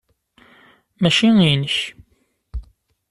Mačči inek.